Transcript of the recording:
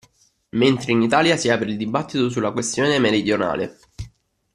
Mentre in Italia si apre il dibattito sulla questione meridionale.